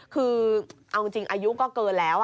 คือเอาจริงอายุก็เกินแล้ว